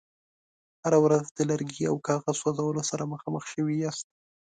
هره ورځ د لرګي او کاغذ سوځولو سره مخامخ شوي یاست.